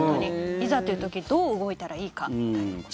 いざという時どう動いたらいいかみたいなことですね。